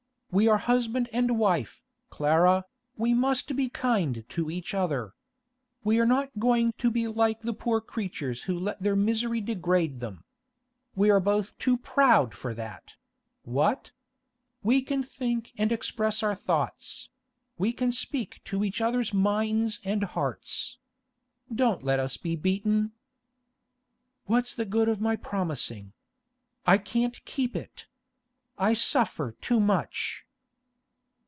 We are husband and wife, Clara, and we must be kind to each other. We are not going to be like the poor creatures who let their misery degrade them. We are both too proud for that—what? We can think and express our thoughts; we can speak to each other's minds and hearts. Don't let us be beaten!' 'What's the good of my promising? I can't keep it. I suffer too much.